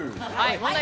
問題